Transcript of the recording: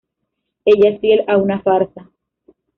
Ella es fiel a una farsa.